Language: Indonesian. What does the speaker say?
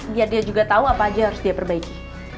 biar dia juga tahu apa aja harus dia perbaiki